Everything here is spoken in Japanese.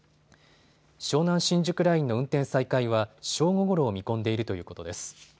湘南新宿ラインの運転再開は正午ごろを見込んでいるということです。